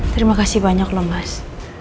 terima kasih banyak loh mas